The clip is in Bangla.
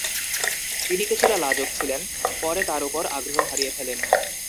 তিনি কিছুটা লাজুক ছিলেন, পরে তার উপর আগ্রহ হারিয়ে ফেলেন।